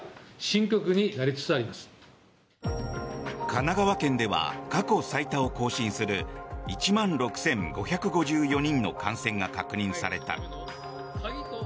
神奈川県では過去最多を更新する１万６５５４人の感染が確認された。